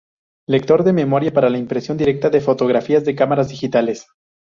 Lector de memoria para la impresión directa de fotografías de cámaras digitales.